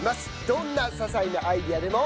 どんな些細なアイデアでも。